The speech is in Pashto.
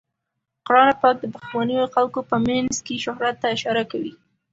قرآن پاک د پخوانیو خلکو په مینځ کې شهرت ته اشاره کوي.